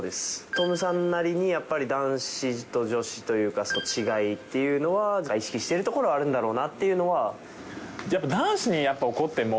トムさんなりに、やっぱり男子と女子というか、違いっていうのは、意識してるところはあるんだろうなっていうのは。